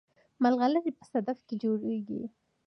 ملغلرې په صدف کې جوړیږي